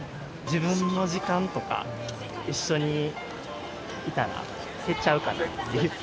自分の時間とか、一緒にいたら減っちゃうかなっていう。